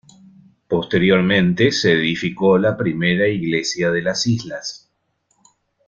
Posteriormente se edificó la primera iglesia de las islas.